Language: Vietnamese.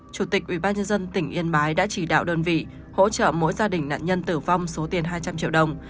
chủ tịch ubnd tỉnh yên bái đã chỉ đạo đơn vị hỗ trợ mỗi gia đình nạn nhân tử vong số tiền hai trăm linh triệu đồng